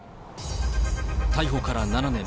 逮捕から７年。